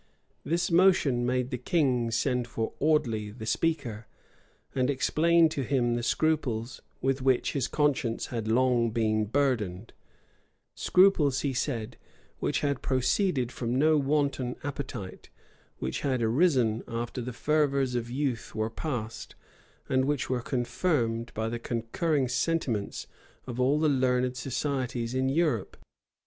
This motion made the king send for Audley, the speaker, and explain to him the scruples with which his conscience had long been burdened; scruples, he said, which had proceeded from no wanton appetite, which had arisen after the fervors of youth were past, and which were confirmed by the concurring sentiments of all the learned societies in Europe.